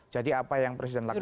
jadi apa yang presiden lakukan